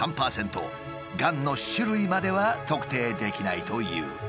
がんの種類までは特定できないという。